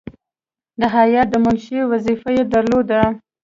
د هیات د منشي وظیفه یې درلوده.